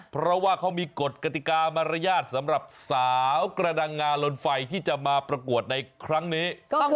เพราะว่าเขามีกฎกติกามารยาทสำหรับสาวกระดังงาลนไฟที่จะมาประกวดในครั้งนี้